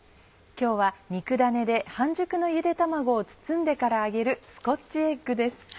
今日は肉ダネで半熟のゆで卵を包んでから揚げるスコッチエッグです。